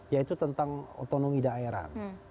yaitu tentang autonomi daerah